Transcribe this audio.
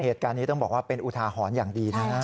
เหตุการณ์นี้ต้องบอกว่าเป็นอุทาหรณ์อย่างดีนะ